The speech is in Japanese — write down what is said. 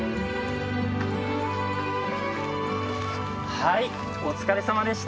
はいお疲れさまでした。